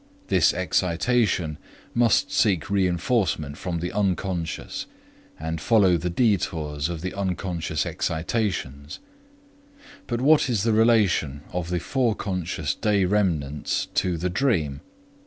This excitation must seek reinforcement from the Unc., and follow the detours of the unconscious excitations. But what is the relation of the foreconscious day remnants to the dream?